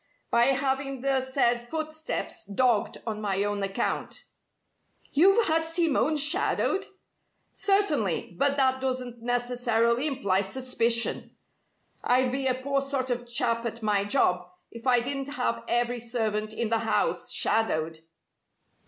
"By having the said footsteps dogged on my own account." "You've had Simone shadowed?" "Certainly. But that doesn't necessarily imply suspicion. I'd be a poor sort of chap at my job if I didn't have every servant in the house shadowed."